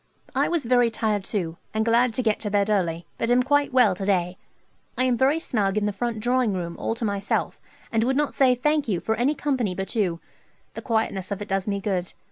I was very tired too, and glad to get to bed early, but am quite well to day. I am very snug in the front drawing room all to myself, and would not say "thank you" for any company but you. The quietness of it does me good.